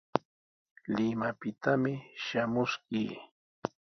Limapitami shamuskii.